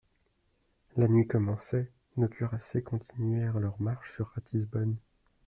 La nuit commençait ; nos cuirassiers continuèrent leur marche sur Ratisbonne.